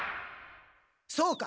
そうか。